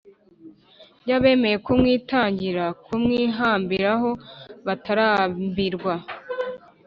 y’abemeye kumwitangira, kumwihambiraho batarambirwa